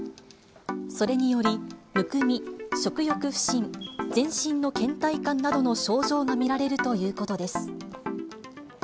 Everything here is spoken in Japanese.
それにより、むくみ、食欲不振、全身のけん怠感などの症状が見られるということです。